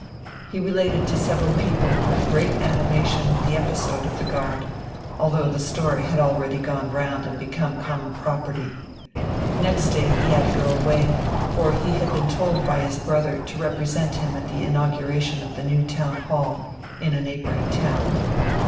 He related to several people with great animation the episode of the guard, although the story had already gone the round and become common property. Next day he had to go away, for he had been told by his brother to represent him at the inauguration of the new Town Hall in a neighbouring town.